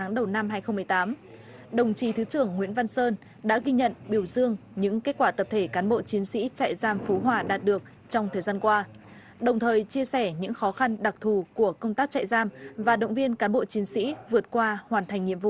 đồng thời chia sẻ những khó khăn đặc thù của công tác chạy giam và động viên cán bộ chiến sĩ vượt qua hoàn thành nhiệm vụ